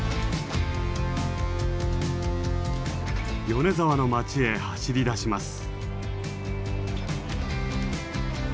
米沢の町へ走りだします。